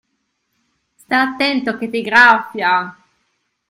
Sta' attento che ti graffia!